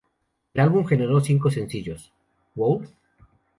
El álbum generó cinco sencillos: "Would?